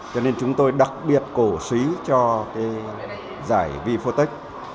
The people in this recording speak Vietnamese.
cho nên chúng tôi đặc biệt cổ xí cho giải wipo tech